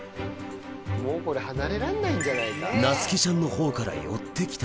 もうこれ離れらんないんじゃないか。